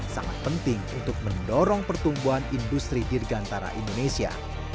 sangat penting untuk mendorong pertumbuhan industri dirgantara indonesia